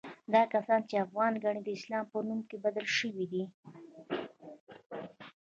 دا کسان چې افغان ګڼي، د اسلام پر نوم کې بدل شوي دي.